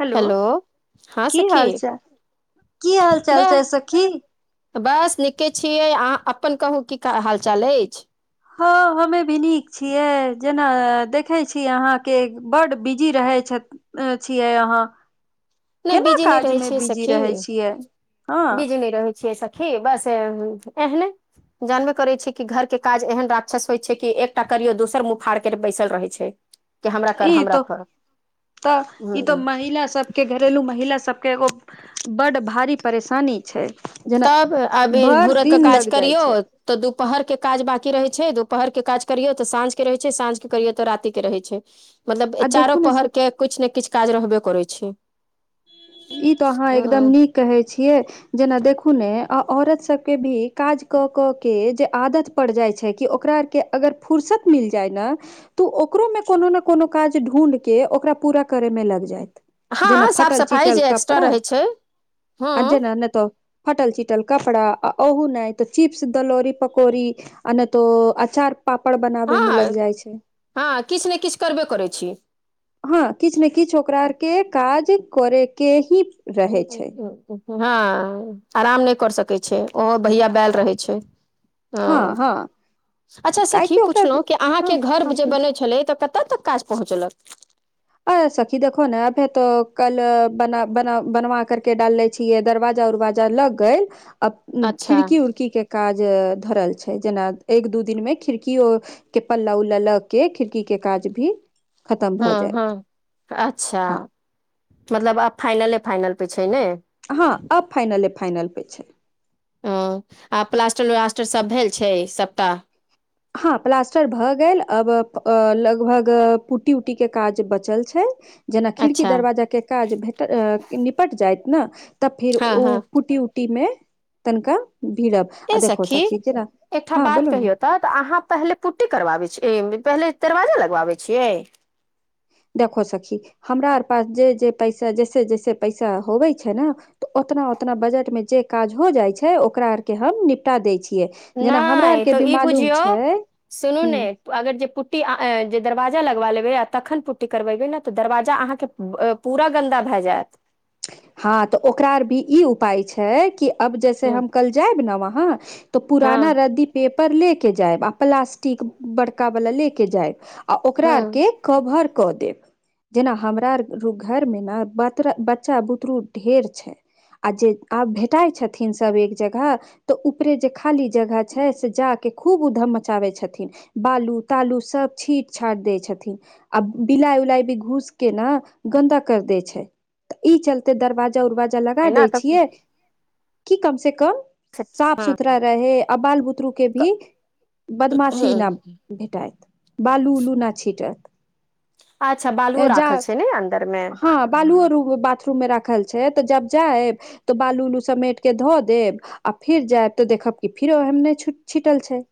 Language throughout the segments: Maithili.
हेलो हँ की सखी हाल चाल की हाल चाल वाह छै सखी बस नीके छियै अहाँ अपन कहू की हाल चाल अछि हँ हमे भी नीक छियै जेना देखे छी अहाँके बड बिजी रहै छथि अ छियै अहाँ नहि केना बिीजी नहि रहे काजमे छियै बिजी सखी रहै छियै हँ बिजी नहि रहे छियै सखी सखी बस एहने जानबे करे छै कि घर के काज एहन राक्षस होइ छै कि एकटा करियऔ दोसर मुँह फाड़ के बैसल रहे छै कि हमरा कर ई हमरा त कर तऽ ई त ह महिला सब के घरेलू महिला सबके एगो बड्ड भारी परेशानी छैय तब अबी भूरकके काज लग जाइ करियौ छै तऽ दुपहरके काज बाँकी रहै छै दुपहरके काज करियौ तऽ साँझके रहै छै साँझके करियौ तऽ राातिके रहै छै मतलब आ चारो देखू ने पहर सखी के किछु न किछु काज रहबे करै छै ई तऽ अहाँ एकदम ह नीक कहै छियै जेना देखू नऽ आ औरत सबके भी काज कऽ कऽ के जे आदत पड़ि जाइ छै कि ओकरा आरके अगर फुुरसत मिल जाइ न तऽ ओकरोमे कोनो ने कोनो काज ढूढ के ओकरा पूरा करयमे लग जायत जेना हँ साफ फटल सफाई चिटल जे एक्स्ट्रा रहै छै हँ नय त फाटल चिटल कपड़ा आ ओहु न तऽ चिप्स दलौरी पकौड़ी आ नहि तो अचार पापड़ बनाबे हँ मे लग जाइ छै हँ किछु ने किछु करबे करै छी हँ किछ ने किछ‌ ओकरा के आर के काज करेके ही रहे छै हँ आराम नहि कर सकै छै ओहो भैया बैल रहै छै हँ ह हँ अच्छा सखी काहेकि ओकरा पुछलहुँ कि हँ अहाँके घर जे हँ बनै छलै तऽ कत कत तक काज पहुँचलक अ सखी देखो ने अभे तो कल बनाना बनवा कर के डाल ले छि दरवाजा उरवाजा लग गेल अ अच्छा खिड़की उड़की के काज धरल छै जेना एक दू दिनमे खिड़कीओ के पल्ला उल्ला लऽ के खिड़की के काज भी खतम भ हँ जाय हँ अच्छा मतलब आ फाइनले फाइनल पे छै ने हँ अब फाइनले फाइनल प छै ओ आ प्लास्टर उलास्टर सब भेल छै सबटा हँ प्लास्टर भऽ गेल अब अ लगभग पुटी उटी के काज बचल छै जेना खिड़की अच्छा दरवाजाके काज भेटल निपट जाइत न तब फेर हँ ओ हँ पुटी उटी मे तनिका भीड़ब ए सखी एकटा बात ने कहियौ तऽ तऽ अहाँ पहिले पुट्टी करबाबे छिय पहिले दरवाजा लगबाबे छियै देखो सखी हमरा आर पास जे जे पैसा जैसे जैसे पैसा होबे छै ने तऽ ओतना ओतना बजट मे जे काज हो जाइ छै ओकरा आर के हम निप टा दै छियै जेना हमरा आर नहि के तऽ भी ई मालूम बुझियौ छै सुनू हु ने अगर जे पुट्टी जे दरवाजा लगबा लेबै आ तखन पुट्टी करबेबै ने तऽ दरवाजा अहाँके पूरा गन्दा भए जायत हँ तऽ ओकरा [unintelligible] ई उपाय छै कि अब जैसे हँ हम कल जायब ने वहाँ तो पुराना हँ रद्दी पेपर ले के जायब आ प्लास्टिक बड़का वाला ले के जायब आ ओकरा आर हूँ के कवर कर देब जेना हमरा घर मे ने बत बच्चा बुतरू ढेर छै आ जे आब भेटाइ छथिन सब एक जगह तऽ ऊपरे जे खाली जगह छै से जा के खूब उधम मचाबै छथिन बालू तालू सब छीट छाट दै छथिन आ बिलाइ उलाई भी घूस के न गन्दा कर देै छै तऽ ई चलते दरवाजा उरवाजा लगा दै एना तऽ छियै की कम से कम साफ हँ सुथरा रहे अ बाल बुतरू के भी बदमाशी न भेटैत बालू उलू नहि छीटत अच्छा बालुओ राखल छै ने अन्दर मे बालूओ बाथरूम मे राखल छै तऽ जब जायब तऽ बालू उलू समेटके धऽ देब आ फिर जायब तऽ देखब क फिर ओह ने छिटल छै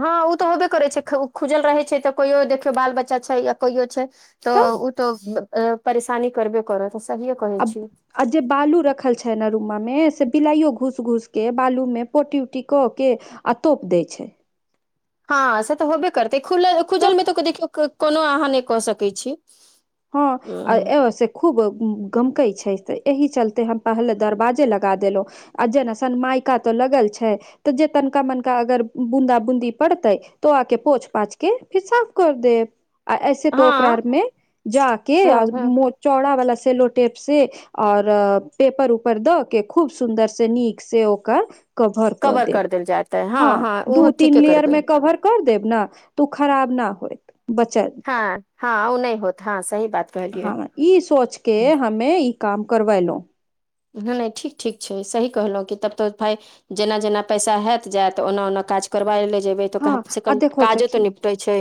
हँ ओ तऽ होबे करै छै खुजल रहै छै तऽ कहियो देखियौ बाल बच्चा छै या कहियो छै तऽ ओ तऽ परेशानी करबे करत सहि कहै आब छीय आ जे बालू रखल छै ने रुमा मे से बिलाइयो घूस घूस के बालू मे पोटी उटी कऽ के आ तोप दैत छै हँ से तऽ होबे करतै खु खुजल मे तऽ कोनो अहाँ नहि कऽ सकैत छी हँ आ हँ ए से खूब गमकै छै त एहि चलते हम पहिले दरवाजे लगा देलहुँ आ जेना सनमायका तो लगल छै तऽ जे तनिका मनिका अगर बूंदा बूंदी पड़तै तो आके पोछ पाछ के फिर साफ कर देब आ ऐसे तो ओकरा हँ आर मे के आ हँ मुंह चौड़ा वाला सेलो टेप से और पेपर उपर दऽ के खूब सुन्दर से नीक से ओकर कभर कऽ देब दल जाता है हँ हाँ हँ ओहो दू तीन ठीके लेयर करबै में कवर कर देब ने तऽ ओ खराब ना होत बचत हाँ हाँ ओ नहि होत हाँ सही बात कहलियै हाँ ई सोच के हमे ई काम करवेलहुं नै नहि ठीक ठीक छै सही कहलहुँ कि तब तऽ भाय जेना जेना पैसा हेत जेत ओना ओना काज करबाए ले जेबै तऽ हँ कम से आ कम देखो काजो सखी तो निपटे छै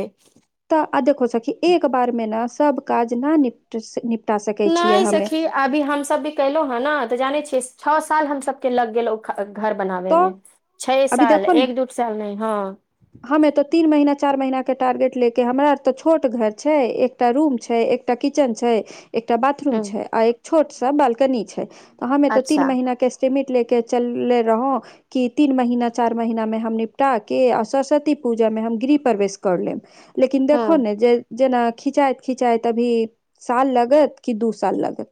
तऽ आ देखो सखी एक बार में न सब काज ना निप निपटा सकै नहि छियै हमे सखी अभी हम सब भी केलो ह न त जाने छियै छो साल हम सब के लग गेलो घर तो बनाबेमे छै अभी साल देखो ने एक दू साल नहि हँ हमे तऽ तीन महीना चारि महीने टारगेट लेके हमरा आर तऽ छोट घर छै एक एकटा रूम छै एकटा किचेन छै एकटा बाथरूम ह छै आ एक छोट सा बालकनी छै हमे त तीन अच्छा महिना के सिमिट ले के चले रहौ कि तीन महिना चार महिना में हम निपटा के असस सती पूजा में हम गृह प्रवेश कर लेब लेकिन देखो हँ ने जे जेना खिचाइत खिचाइत अभी साल लगति कि दू साल लगति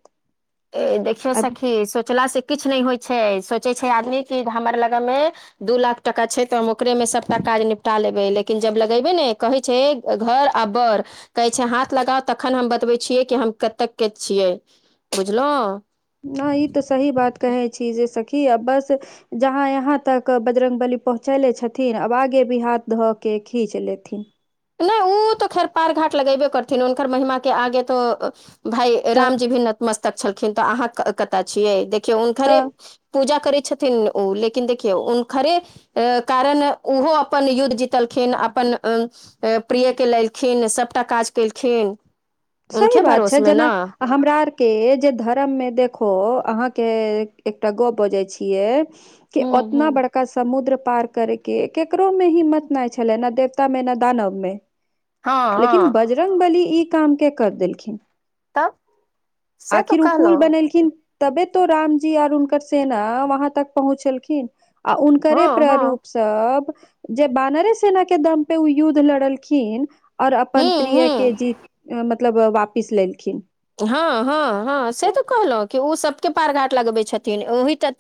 ऐ देखियौ सखी सोचलास किछ नहि होई छै सोचै छै आदमी कि हमर लग मे दू लाख टाका छै तऽ हम ओकरे में सभटा काज निपटा लेबै लेकिन जब लगेबै ने कहै छै घर आ बड़ कहै छै हाथ लगाउ तखन हम बतबै छियै कि हम कतेक के छियै बुझलहुँ हं ई तऽ सही बात कहै छी जे सखी आ बस जहाँ यहाँ तक बजरंगबली पहुँचैले छथिन अब आगे भी हाथ धऽ के खीच लेथिन नहि उ तऽ खैर पार घाट लगेबे करथिन हुनकर महिमा के आगे तो भाय तऽ राम जी भी नतमस्तक छलखिन तऽ अहाँ कतय छियै देखियौ हुनकरे तऽ पूजा करै छथिन ओ लेकिन देखियौ हुनखरे आ कारण ओहो अपन युद्ध जीतलखिन अपन अऽ प्रिय के लेलखिन सभटा काज केलखिन सही हुनके बात भरोस छै मे जेना न हमरा आर के जे धर्म में देखो अहाँ के एकटा गप्प बजै छियै कि हूँ ओतना हूँ बड़का समुद्र पार करे के केकरो में हिम्मत नऽ छले ने देवता मे ने दानव मे हँ लेकिन हँ बजरंगबली ई काम के कर देलखिन तब से तो आखिर उ पूल कहलहु बनेलखिन तबे तऽ राम जी आर हुनकर सेना वहां तक पहुँचलखिन आ हुनकरे हँ हँ प्ररूप स सब जे बान रे सेना के दम पे ओ युद्ध लड़लखिन और हूँ अपन प्रिय हूँ के जीत मतलब वापिस लेलखिन हाँ हाँ हाँ से तऽ कहलौं कि ओ सभके पार घाट लगबैत छथिन ओही से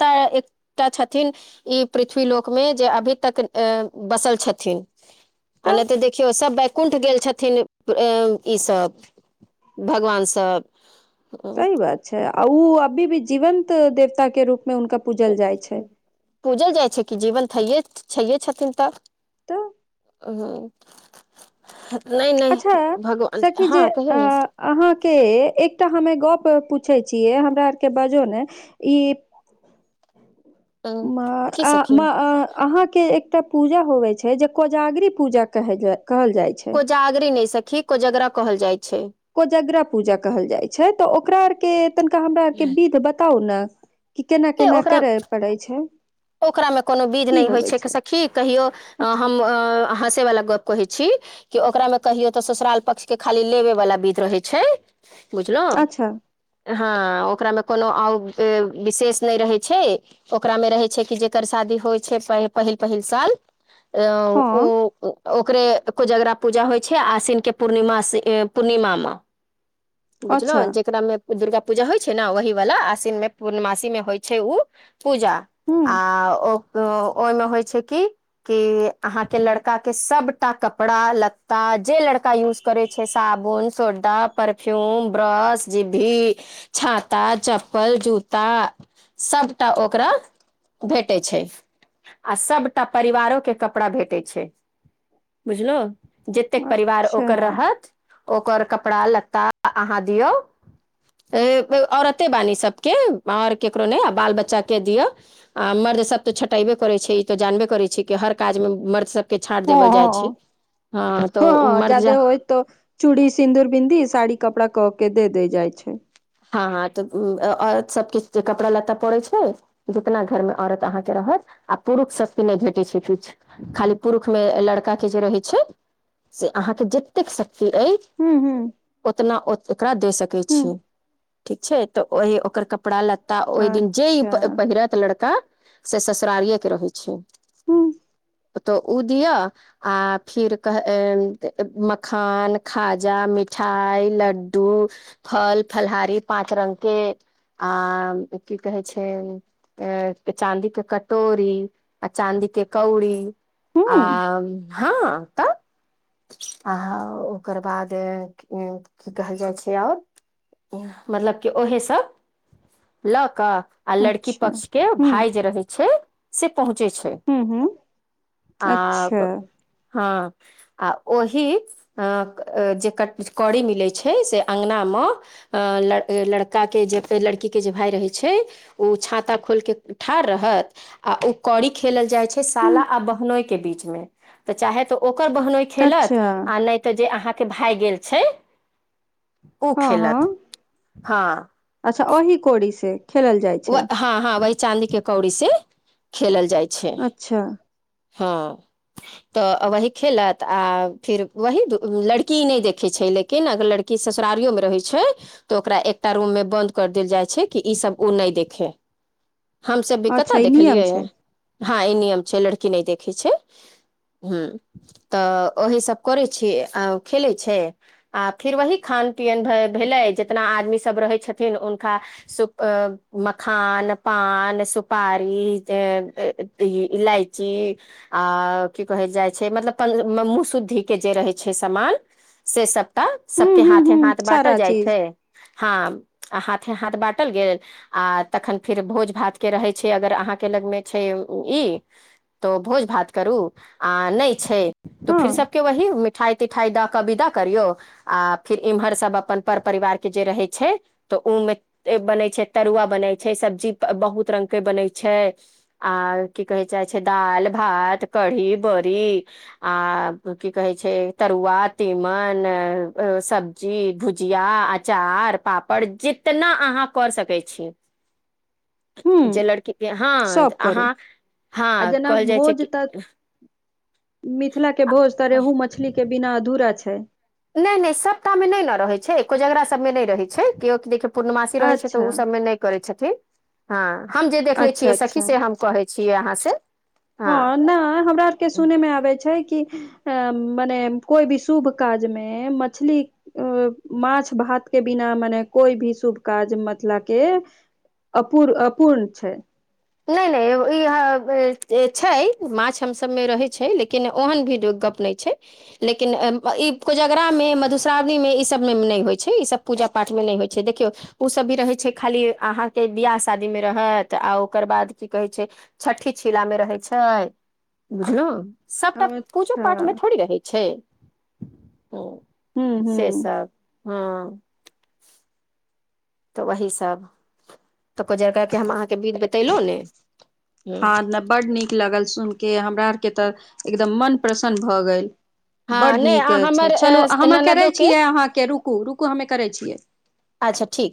तऽ छथिन ई पृथ्वी लोक मे जे अभी तक अऽ बसल छथिन ना तऽ देखियौ सब बैकुंठ गेल छथिन ई सभ भगवान सब अ, सही बात छै आ ओ अभी भी जीवन के देवता के रूप मे हुनका पूजल जाइ छै पूजल जाइ छै कि जीवन छैहे छैे छथिन तऽ तऽ हँ नहि नहि भगवान हाँ कहियौ ने अहाँ के एकटा हमे गप्प पूछे छियै हमरा आर के बजो ने ई अ, मऽ की सखी अऽ अहाँ के एक एकटा पूजा होवे छै जे कोजागिरी पूजा कहल जाइ छै जागरी नहि सखी कोजगरा कहल जाइत छै कोजगरा पूजा कहल जाइ छै तऽ ओकरा आरके तनिका हमरा आरके विध बताउ ने की केना ए केना करे पड़ै छै ओकरा मे कोनो बीज की नहि होइ होवे छै सखी कहियो अ अच्छा हम हँसे वाला गप कहै छी कि ओकरा मे कहियो तऽ ससुराल पक्ष के खाली लेबे वाला बिध रहै छै बुझलियै अच्छा हँ ओकरा मे कोनो आ विशेष नहि रहे छै ओकरा मे रहै छै छै कि जेकर शादी होइ छै पहिल पहिल साल ओ हँ ओकरे कोजगरा पूजा होइ छै आश्वनके पूर्णिमा पूर्णिमामे बुझलौं अच्छा जेकरामे दुर्गा पूजा होइ छै ने ओही वाला आसिन मे पूर्णमासी मे होइ छै पूजा ह्म तऽ ओहि मे होइ छै की के अहाँ के लड़का के सभटा कपड़ा लत्ता जे लड़ का यूज करे छै साबुन सोडा परफ्यूम ब्रश जिभीयि छाता चप्पल जूता सबटा ओकरा भेटै छै आ सबटा परिवारो के कपड़ा भेटै छै बुझलौ जतेक परिवार अच्छा ओकर रहत ओकर कपड़ा लत्ता अहाँ दियौ औरते बाणी सभके आओर ककरो नहि आ बाल बच्चाकेँ दियौ आ मर्द सभ तऽ छटेबे करै छै ई तऽ जानबे करै छै कि हर काजमे मर्द सभ के छोड़ि हँ देवल जाइ छै हँ ह तँऽ ओ मजा ओ तऽ चूड़ी सिन्दूर बिन्दी साड़ी कपड़ा कऽ के दे जाइ छै हँ हँ तऽ सब किछु कपड़ा लेता पड़ै छै जितना घरमे औरत अहाँके रहत आ पुरुष सस्ती नहि भेटै छै किछु खाली पुरुषमे लड़काे जे रहैत छै से अहाँके जतेक शक्ति अछि हूंम्म हूंम्म ओतना एकरा दे सकैत छी ठीक छै तऽ ओह ओकर कपड़ा लत्ता ओहि दिन जे ई अच्छा पहिरत लड़का से ससुरारि के रहै छै हँ तऽ उ दियौ आ फिर कह मखान खाजा मिठाइ लड्डू फल फलहारी पाँच रंग के आ की कहे छै चाँदी के क तोरी आ चाँदी के कौड़ी हू आ हँ तऽ आहा ओकर बाद की कहल जाइ छै आओर मतलब कि उहे सब लऽ कऽ आ लड़की अच्छा पक्ष के हू भाय जे रहै छै से पहुँचे छै हू हू आ अच्छा हँ आ ओही जे कट कड़ी मिलै छै से अङ्गनामे लड़काके जेते लड़कीके जे भाई रहै छै ओ छाता खोलि कऽ ठाढ़ रहत आ ओ कौड़ी खेलल जाइ छै हूँ साला आ बहनोइ के बीच मे तऽ चाहे तऽ ओकर बहनोइ खेलत अच्छा आ नहि तऽ जे अहाँके भए गेल छै उ हँ खेलत हँ हँ अच्छा ओहि कौड़ी से खेलल जाइत वे हँ हँ वह चाँदी के कौड़ी से खेलल जाइ छै अच्छा हँ तऽ आ वही खेलत आ फिर वही लड़की नहि देखै छै लेकिन कि न अगर लड़की ससुरारियो में रहे छै तऽ ओकरा एकटा रूम में बंद कर देल जाय छै कि ई सब उ नहि देखेय हमसब भी अच्छा कतऽ ई नियम देखलियै छै हँ ई नियम छै लड़की नहि देखै छै हूं तऽ ओहीसभ करै छी खेलै छै आ फिर वही खान पियन भेलै जितना आदमी सब रहै छथिन हुनका सुख अ मखान पान सुपारी इलाइची आऽ की कहैत जाइ छै मतलब प मुह शुद्धिके जे रहै छै सामान से सबटा हूँ सबके हूँ हाथे हूँ हाथ बाँटल सारा जाइ छै चीज हां आ हाथे हाथ बाँटल गेल आ तखन फेर भोज भातके रहै छै अगर अहाँके लगमे छै ई तो भोज भात करू आ नहि छै तऽ हँ फिर सब के वही मिठाई तिठाई द कऽ विदा करियौ आ फिर इम्हर सब अपन पर परिवार के जे रहै छै तऽ उ मे जे बनै छै तरुआ बनै छै सब्जी बहुत रंग के बनै छै आ की कहै जाय छै दाल भात कढ़ी बड़ी आ की कहै छै तरुआ तीमन सब् जी भुजिया अचार पापड़ जितना आंहाँ कर सकै छी हूँ जे लड़की के हँ सब करू अहाँ आ हँ जेना कहल जाइ छै भोज कि तऽ मिथिला के भोज तऽ रेहू मछली के बिना अधूरा छै नहि नहि सपटा मे नहि न रहै छै कोजगरा सब मे नहि रहै छै केओ क देख पूर्णमासि रहै छै त अच्छा उ सब मे नहि करय छथिन हां हम जे देखले अच्छा छियै सखी अच्छा से हम कहै छीयै अहाँ से हँ नहि हमरा के सुनय मे आबे छै कि अ मने कोई भी शुभ काज मे मछली अ माछ भात के बिना मने कोइ भी शुभ काज मेथला के अपूर अपूर्ण छै नहि नहि ई आंहा छै माछ हम सब मे रहे छै लेकिन ओहन भी गप नहि छै लेकिन ई कोजगरामे मधुश्रावणीमे ई सबमे नहि होइ छै ई सब पूजा पाठमे नहि होइ छै देखियौ ओसभ भी रहै छै खाली अहाँके बियाह शादीमे रहत आ ओकर बाद की कहेै छै छठि छिला मे रहै छै बुझलु सबटा पूजो अच्छा पाठ मे थोड़ी रहै छै हूँ हूँ से हूँ सब हँ तऽ वही सब तऽ कोजगराके हम अहाँके बिध बतेलु ने हूंम्म हँ बड्ड नीक लगल सुन के हमरा आर के तऽ एकदम मन प्रसन्न भऽ गेल हँ बड्ड नहि नीक आ हमर छै चलू अ, हमे करै ननदो के छियै अहाँके रुकू रुकू हमे करैत छियै अच्छा ठीक छै